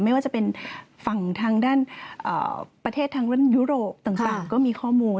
ไม่ว่าจะเป็นฝั่งทางด้านประเทศทางด้านยุโรปต่างก็มีข้อมูล